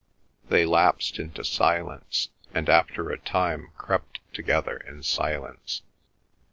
They lapsed into silence, and after a time crept together in silence.